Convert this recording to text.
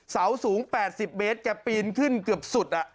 เสาสูง๘๐เมตรแกปีนขึ้นเกือบสุด